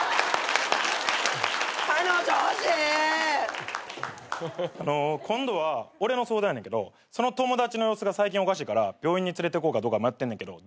彼女ほしい。今度は俺の相談やねんけどその友達の様子が最近おかしいから病院に連れてこうかどうか迷ってんねんけどどうしたら。